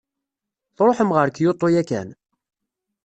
Tṛuḥem ɣer Kyoto yakan?